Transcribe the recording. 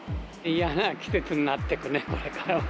嫌な季節になってくね、これからは。